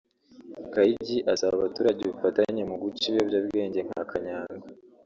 Kayigi asaba abaturage ubufatanye mu guca ibiyobyabwenge nka Kanyanga